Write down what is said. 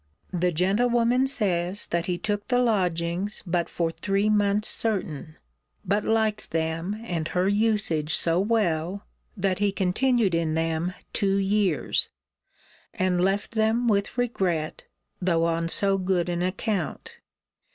The gentlewoman says that he took the lodgings but for three months certain; but liked them and her usage so well, that he continued in them two years; and left them with regret, though on so good an account.